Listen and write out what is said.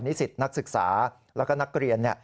สิทธิ์นักศึกษาแล้วก็นักเรียน